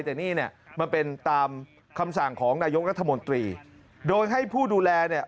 แต่นี่เนี่ยมันเป็นตามคำสั่งของนายกรัฐมนตรีโดยให้ผู้ดูแลเนี่ย